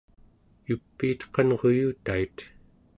yupiit qanruyutait